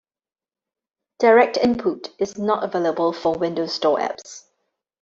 DirectInput is not available for Windows Store apps.